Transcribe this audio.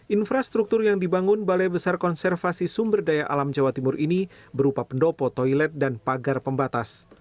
infrastruktur yang dibangun balai besar konservasi sumber daya alam jawa timur ini berupa pendopo toilet dan pagar pembatas